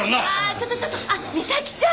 ちょっとちょっとあっ美咲ちゃん